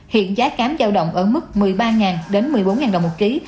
hiện giá cám giao động ở mức một mươi ba đến một mươi bốn đồng một ký